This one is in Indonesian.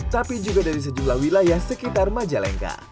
tapi juga dari sejumlah wilayah sekitar majalengka